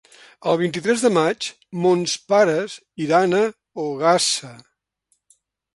El vint-i-tres de maig mons pares iran a Ogassa.